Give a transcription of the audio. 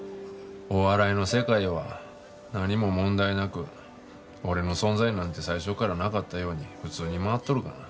お笑いの世界は何も問題なく俺の存在なんて最初からなかったように普通に回っとるがな。